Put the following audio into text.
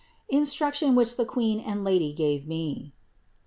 INSTRUCTION WHICH THE QUEEN AND LADY GAVE ME.